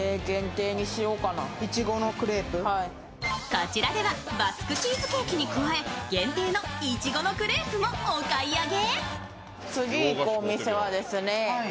こちらではバスクチーズケーキに加え限定のいちごのクレープもお買い上げ。